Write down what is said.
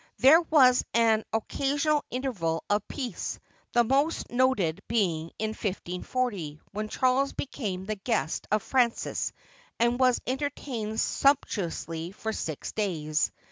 There was an occasional interval of peace, the most noted being in 1540, when Charles became the guest of Francis and was entertained sumptuously for six days.